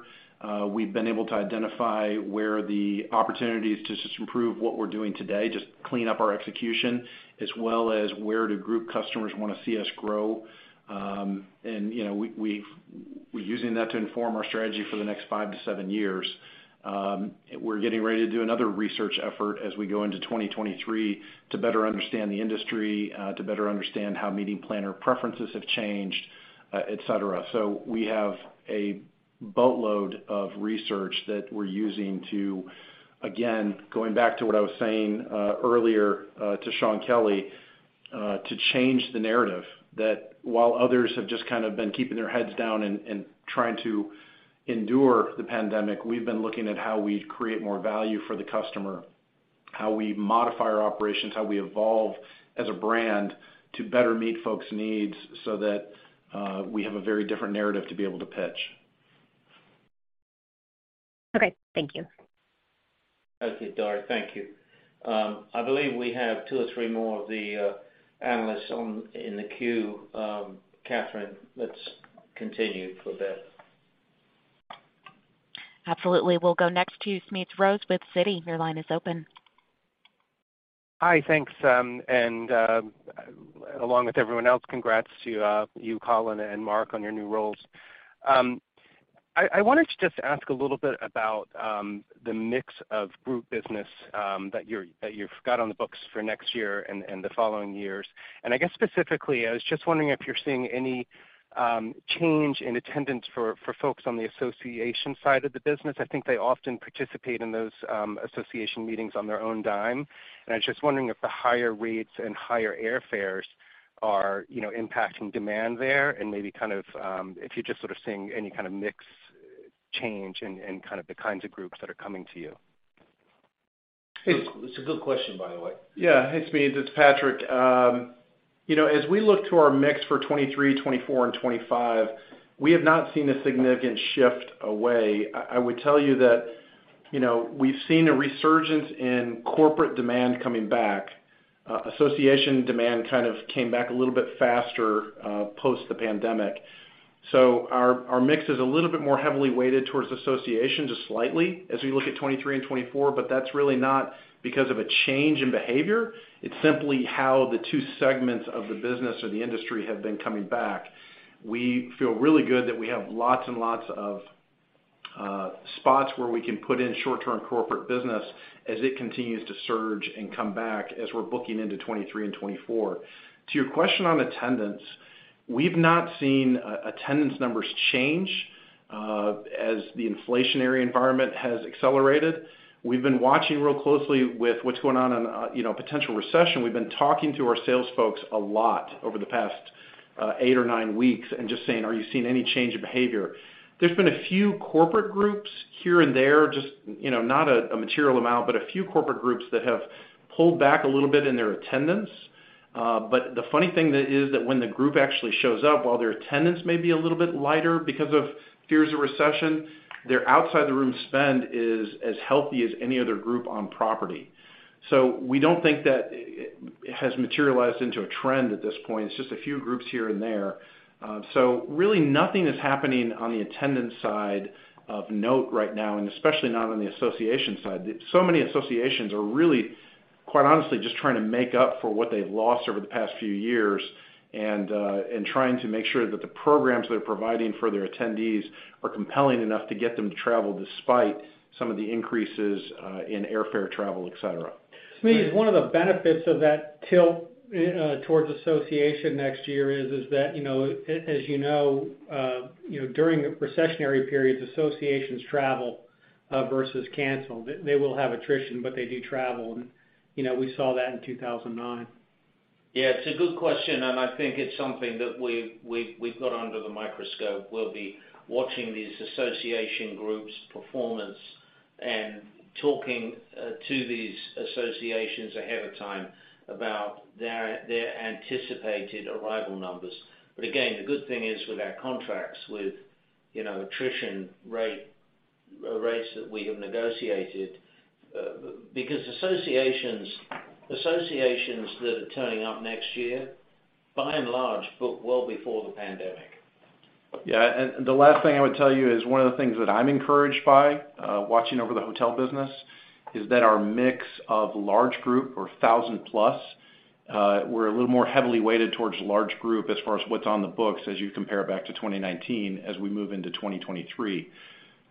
We've been able to identify where the opportunities to improve what we're doing today, just clean up our execution, as well as where do group customers wanna see us grow. You know, we're using that to inform our strategy for the next five to seven years. We're getting ready to do another research effort as we go into 2023 to better understand the industry, to better understand how meeting planner preferences have changed, et cetera. We have a boatload of research that we're using to, again, going back to what I was saying earlier, to Shaun Kelley, to change the narrative that while others have just kind of been keeping their heads down and trying to endure the pandemic, we've been looking at how we create more value for the customer, how we modify our operations, how we evolve as a brand to better meet folks' needs so that we have a very different narrative to be able to pitch. Okay. Thank you. Okay, Dori. Thank you. I believe we have two or three more of the analysts online in the queue. Catherine, let's continue for that. Absolutely. We'll go next to Smedes Rose with Citi. Your line is open. Hi. Thanks. Along with everyone else, congrats to you, Colin Reed and Mark Fioravanti, on your new roles. I wanted to just ask a little bit about the mix of group business that you've got on the books for next year and the following years. I guess, specifically, I was just wondering if you're seeing any change in attendance for folks on the association side of the business. I think they often participate in those association meetings on their own dime. I was just wondering if the higher rates and higher airfares are, you know, impacting demand there and maybe kind of, if you're just sort of seeing any kind of mix change in kind of the kinds of groups that are coming to you. It's a good question, by the way. Yeah. Hey, Smedes, it's Patrick. You know, as we look to our mix for 2023, 2024, and 2025, we have not seen a significant shift away. I would tell you that, you know, we've seen a resurgence in corporate demand coming back. Association demand kind of came back a little bit faster post the pandemic. Our mix is a little bit more heavily weighted towards association, just slightly, as we look at 2023 and 2024, but that's really not because of a change in behavior. It's simply how the two segments of the business or the industry have been coming back. We feel really good that we have lots and lots of spots where we can put in short-term corporate business as it continues to surge and come back as we're booking into 2023 and 2024. To your question on attendance, we've not seen attendance numbers change as the inflationary environment has accelerated. We've been watching real closely with what's going on, you know, potential recession. We've been talking to our sales folks a lot over the past eight or nine weeks and just saying, Are you seeing any change in behavior? There's been a few corporate groups here and there just, you know, not a material amount, but a few corporate groups that have pulled back a little bit in their attendance. But the funny thing is that when the group actually shows up, while their attendance may be a little bit lighter because of fears of recession, their outside-the-room spend is as healthy as any other group on property. We don't think that it has materialized into a trend at this point. It's just a few groups here and there. Really nothing is happening on the attendance side of note right now, and especially not on the association side. Many associations are really, quite honestly, just trying to make up for what they've lost over the past few years and trying to make sure that the programs they're providing for their attendees are compelling enough to get them to travel despite some of the increases in airfare travel, et cetera. Smedes, one of the benefits of that tilt towards association next year is that, you know, as you know, you know, during the recessionary periods, associations travel versus cancel. They will have attrition, but they do travel. You know, we saw that in 2009. Yeah, it's a good question, and I think it's something that we've got under the microscope. We'll be watching these association groups' performance and talking to these associations ahead of time about their anticipated arrival numbers. Again, the good thing is with our contracts, with, you know, attrition rates that we have negotiated, because associations that are turning up next year, by and large, booked well before the pandemic. Yeah. The last thing I would tell you is one of the things that I'm encouraged by, watching over the hotel business is that our mix of large group or 1,000-plus, we're a little more heavily weighted towards large group as far as what's on the books as you compare back to 2019 as we move into 2023.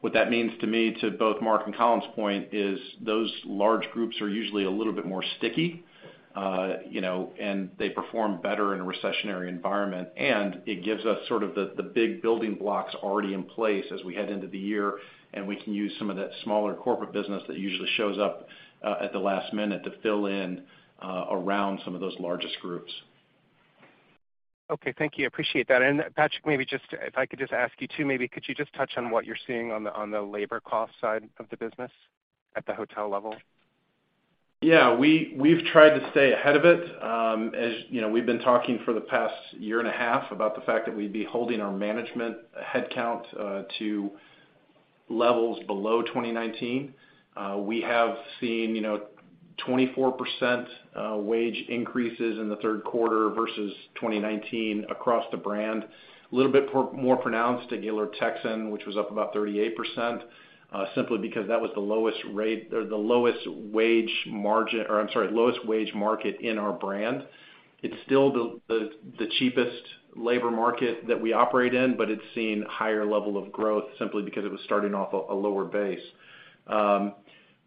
What that means to me, to both Mark and Colin's point, is those large groups are usually a little bit more sticky, you know, and they perform better in a recessionary environment. It gives us sort of the big building blocks already in place as we head into the year, and we can use some of that smaller corporate business that usually shows up at the last minute to fill in around some of those largest groups. Okay, thank you. Appreciate that. Patrick, maybe just if I could just ask you too, maybe could you just touch on what you're seeing on the labor cost side of the business at the hotel level? Yeah. We've tried to stay ahead of it. As you know, we've been talking for the past year and a half about the fact that we'd be holding our management headcount to levels below 2019. We have seen, you know, 24% wage increases in the Q3 versus 2019 across the brand. A little bit more pronounced at Gaylord Texan, which was up about 38%, simply because that was the lowest rate or the lowest wage margin, or I'm sorry, lowest wage market in our brand. It's still the cheapest labor market that we operate in, but it's seen higher level of growth simply because it was starting off a lower base.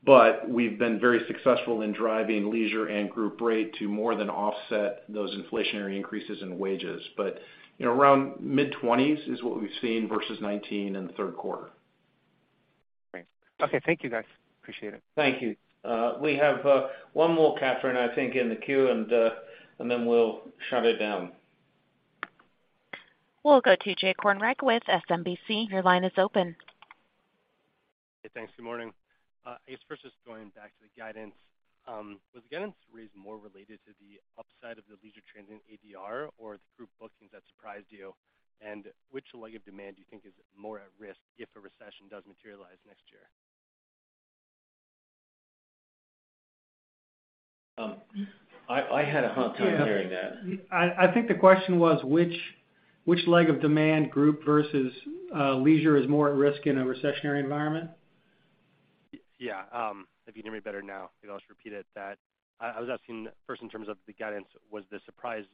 But we've been very successful in driving leisure and group rate to more than offset those inflationary increases in wages. You know, around mid-20s% is what we've seen versus 19% in the Q3. Great. Okay, thank you, guys. Appreciate it. Thank you. We have one more, Catherine, I think, in the queue, and then we'll shut it down. We'll go to Jay Kornreich with SMBC. Your line is open. Hey, thanks. Good morning. I guess 1st just going back to the guidance. Was the guidance raise more related to the upside of the leisure transient ADR or the group bookings that surprised you? Which leg of demand do you think is more at risk if a recession does materialize next year? I had a hard time hearing that. Yeah. I think the question was which leg of demand, group versus leisure is more at risk in a recessionary environment? Yeah. If you can hear me better now, I'll just repeat it that I was asking 1st in terms of the guidance, was the surprise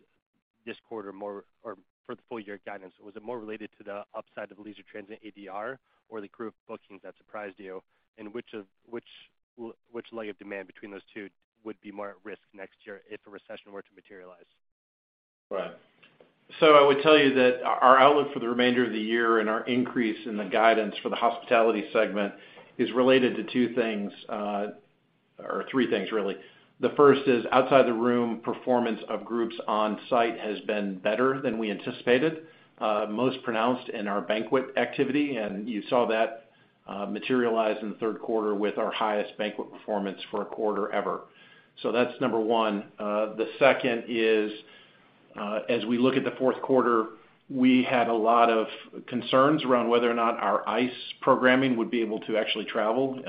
this quarter more or for the full year guidance, was it more related to the upside of leisure transient ADR or the group bookings that surprised you? Which leg of demand between those two would be more at risk next year if a recession were to materialize? Right. I would tell you that our outlook for the remainder of the year and our increase in the guidance for the hospitality segment is related to two things, or three things, really. The 1st is outside the room performance of groups on site has been better than we anticipated, most pronounced in our banquet activity. You saw that materialize in the Q3 with our highest banquet performance for a quarter ever. That's number one. The 2nd is, as we look at the Q4, we had a lot of concerns around whether or not our ice programming would be able to actually travel,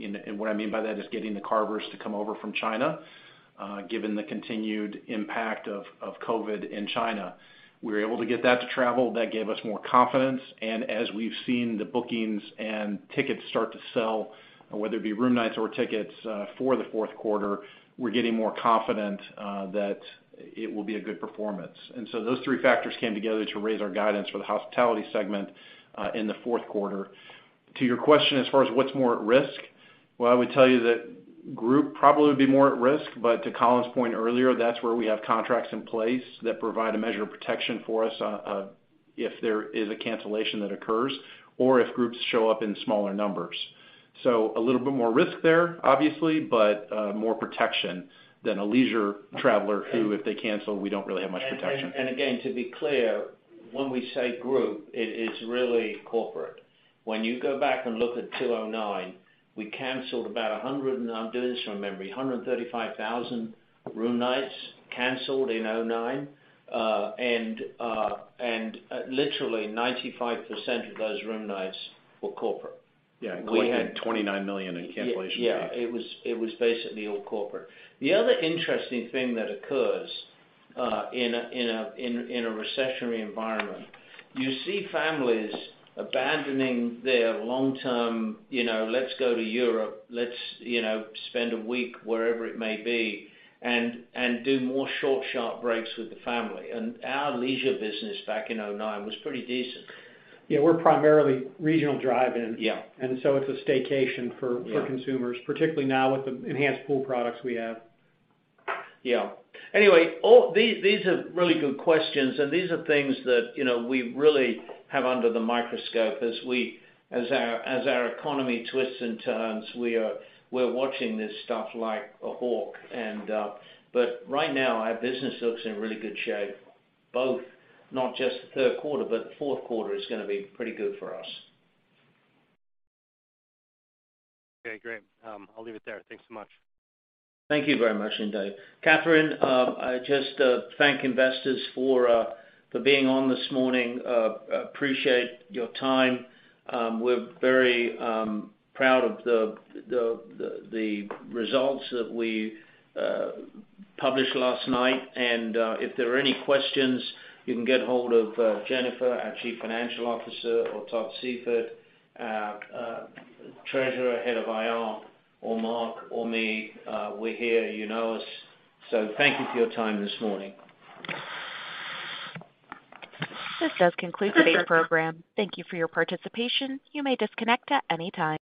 and what I mean by that is getting the carvers to come over from China, given the continued impact of COVID in China. We were able to get that to travel. That gave us more confidence. As we've seen the bookings and tickets start to sell, whether it be room nights or tickets, for the Q4, we're getting more confident that it will be a good performance. Those three factors came together to raise our guidance for the hospitality segment in the Q4. To your question, as far as what's more at risk, well, I would tell you that group probably would be more at risk, but to Colin's point earlier, that's where we have contracts in place that provide a measure of protection for us, if there is a cancellation that occurs or if groups show up in smaller numbers. A little bit more risk there, obviously, but more protection than a leisure traveler who, if they cancel, we don't really have much protection. To be clear, when we say group, it is really corporate. When you go back and look at 2009, we canceled about 135,000 room nights in 2009, and literally 95% of those room nights were corporate. Yeah. We had $29 million in cancellation fees. Yeah, it was basically all corporate. The other interesting thing that occurs in a recessionary environment, you see families abandoning their long-term, you know, let's go to Europe. Let's, you know, spend a week wherever it may be and do more short, sharp breaks with the family. Our leisure business back in 2009 was pretty decent. Yeah, we're primarily regional driving. Yeah. It's a staycation. Yeah. for consumers, particularly now with the enhanced pool products we have. Yeah. Anyway, these are really good questions, and these are things that, you know, we really have under the microscope as our economy twists and turns, we're watching this stuff like a hawk. Right now, our business looks in really good shape, both not just the Q3, but the Q4 is gonna be pretty good for us. Okay, great. I'll leave it there. Thanks so much. Thank you very much indeed. Catherine, I just thank investors for being on this morning. Appreciate your time. We're very proud of the results that we published last night. If there are any questions, you can get hold of Jennifer, our Chief Financial Officer, or Todd Siefert, our Treasurer, Head of IR, or Mark or me. We're here. You know us. Thank you for your time this morning. This does conclude today's program. Thank you for your participation. You may disconnect at any time.